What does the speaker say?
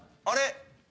あれ？